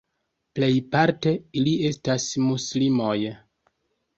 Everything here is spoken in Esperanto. Plejparte ili estas muslimoj.